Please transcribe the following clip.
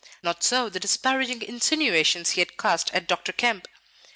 Not so the disparaging insinuations he had cast at Dr. Kemp.